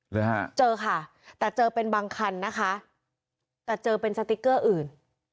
เลยฮะเจอค่ะแต่เจอเป็นบางคันนะคะแต่เจอเป็นสติ๊กเกอร์อื่น